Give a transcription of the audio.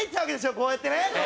こうやってね。